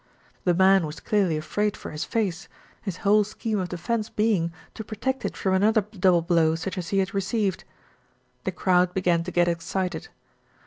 The man was clearly afraid for his face, his whole scheme of defence being to protect it from another double blow such as he had received. The crowd began to get excited.